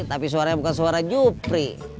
tapi suaranya bukan suara jupri